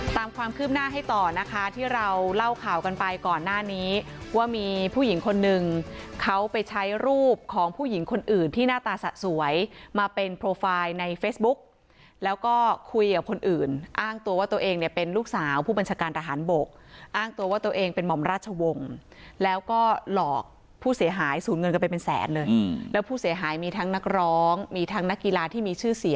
ตามความคืบหน้าให้ต่อนะคะที่เราเล่าข่าวกันไปก่อนหน้านี้ว่ามีผู้หญิงคนนึงเขาไปใช้รูปของผู้หญิงคนอื่นที่หน้าตาสะสวยมาเป็นโปรไฟล์ในเฟซบุ๊กแล้วก็คุยกับคนอื่นอ้างตัวว่าตัวเองเนี่ยเป็นลูกสาวผู้บัญชาการทหารบกอ้างตัวว่าตัวเองเป็นหม่อมราชวงศ์แล้วก็หลอกผู้เสียหายสูญเงินกันไปเป็นแสนเลยแล้วผู้เสียหายมีทั้งนักร้องมีทั้งนักกีฬาที่มีชื่อเสียง